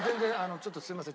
ちょっとすいません。